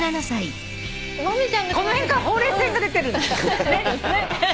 この辺からほうれい線が出てるの。